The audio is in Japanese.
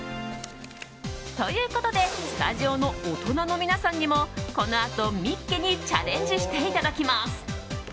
ということでスタジオの大人の皆さんにもこのあと「ミッケ！」にチャレンジしていただきます。